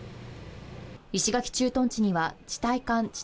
石垣駐屯地には地対艦・地